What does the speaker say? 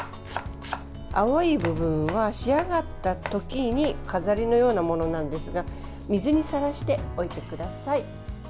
青い部分は仕上がった時の飾りのようなものなんですが水にさらしておいてください。